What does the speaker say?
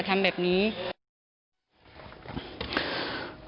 กัดเด็กมันกลัว